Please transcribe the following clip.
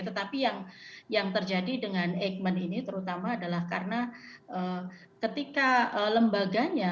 tetapi yang terjadi dengan eijkman ini terutama adalah karena ketika lembaganya